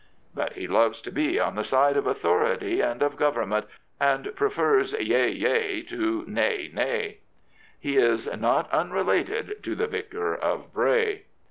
But he loves to be on the side of authority and of Government, and prefers " Yea, yea " to " Nay, nay." He is not unrelated to the Vicar of Bray.